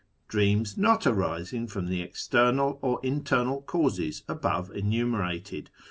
DREAM.S NOT ARISING FROM THE EXTERNAL OR INTERNAL CaUSES ABOVE ENUMERATED.